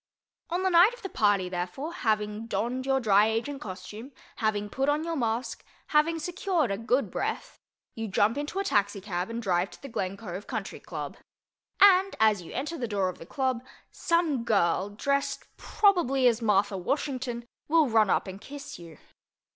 On the night of the party, therefore, having donned your Dry Agent costume, having put on your mask, having secured a good breath—you jump into a taxicab and drive to the Glen Cove Country Club. And, as you enter the door of the club, some girl, dressed, probably, as Martha Washington, will run up and kiss you.